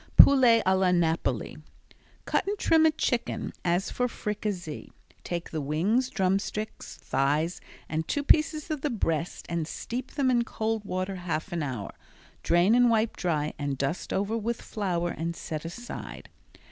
Poulet a la Napoli Cut and trim a chicken as for fricassee. Take the wings, drumsticks, thighs and two pieces of the breast and steep them in cold water half an hour. Drain and wipe dry and dust over with flour and set aside.